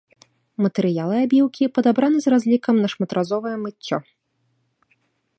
Матэрыялы абіўкі падабраны з разлікам на шматразовае мыццё.